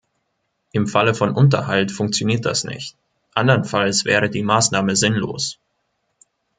Im Falle von Unterhalt funktioniert das nicht, anderenfalls wäre die Maßnahme sinnlos.